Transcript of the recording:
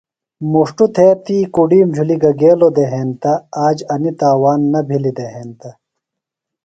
مُݜٹوۡ تھےۡ تی کۡڈِیم جُھلیۡ گہ گیلوۡ دےۡ ہینتہ آج انیۡ تاوان نہ بِھلیۡ دےۡ ہینتہ۔